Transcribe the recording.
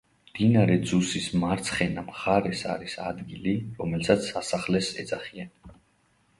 მდინარე ძუსის მარცხენა მხარეს არის ადგილი, რომელსაც სასახლეს ეძახიან.